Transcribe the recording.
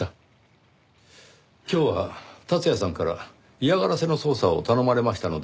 今日は達也さんから嫌がらせの捜査を頼まれましたので。